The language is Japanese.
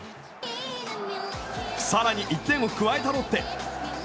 更に１点を加えたロッテ。